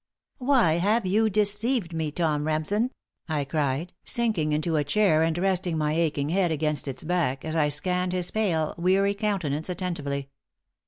"Why have you deceived me, Tom Remsen?" I cried, sinking into a chair and resting my aching head against its back, as I scanned his pale, weary countenance attentively.